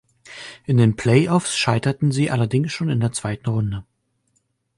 In den Playoffs scheiterten sie allerdings schon in der zweiten Runde.